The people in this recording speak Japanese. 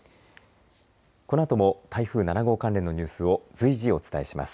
このあとも台風７号関連のニュースを随時お伝えします。